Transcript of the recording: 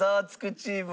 チームは。